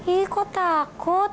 ih kok takut